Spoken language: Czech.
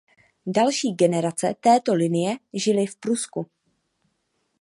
Další generace této linie žily v Prusku.